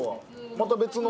また別の。